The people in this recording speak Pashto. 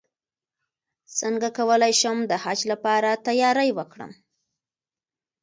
څنګه کولی شم د حج لپاره تیاری وکړم